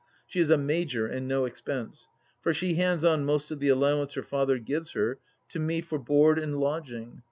She is a major and no expense, for she hands on most of the allowance her father gives her to me for board and lodging.